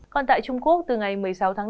còn tại trung quốc từ ngày một mươi sáu tháng bốn